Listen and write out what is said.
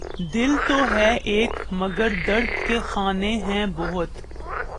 دل تو ہے ایک مگر درد کے خانے ہیں بہت